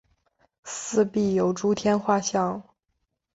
四壁有诸天画像。